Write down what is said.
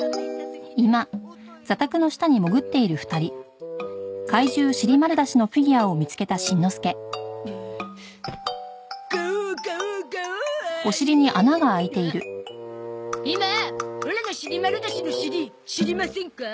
ひまオラのシリマルダシの尻知りませんか？